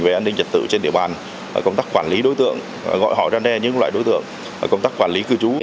về an ninh trật tự trên địa bàn công tác quản lý đối tượng gọi hỏi răn đe những loại đối tượng công tác quản lý cư trú